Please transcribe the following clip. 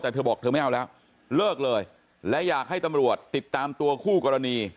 แต่เธอบอกเธอไม่เอาแล้วเลิกเลยและอยากให้ตำรวจติดตามตัวคู่กรณี